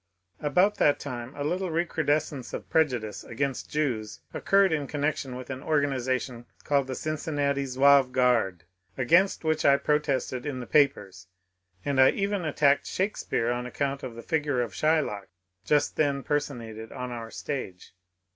About that time a little recrudescence of prejudice against Jews occurred in connection with an organization called the Cincinnati 2iOuave Guard, against which I protested in the papers ; and I even attacked Shakespeare on account of the figure of Shylock just then personated on our stage.